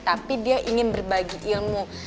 tapi dia ingin berbagi ilmu